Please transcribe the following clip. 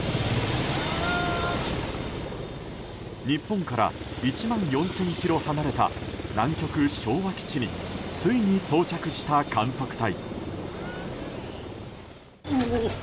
日本から１万４０００ｋｍ離れた南極、昭和基地についに到着した観測隊。